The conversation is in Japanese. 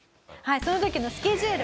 その時のスケジュール